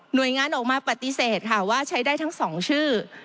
โดยงานออกมาปฏิเสธค่ะว่าใช้ได้ทั้ง๒ชื่อ